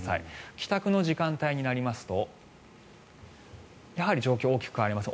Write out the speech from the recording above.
帰宅の時間帯になりますと状況は大きく変わりません。